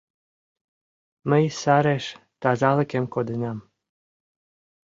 Мый сареш тазалыкем коденам.